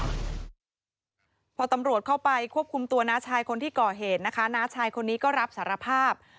พอตำรวจเข้าไปควบคุมตัวน้าชายคนที่ก่อเหตุนะคะน้าชายคนนี้ก็รับสารภาพ